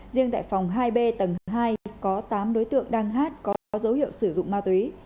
riêng tại phòng hai b tầng hai có tám đối tượng đang hát có dấu hiệu sử dụng ma túy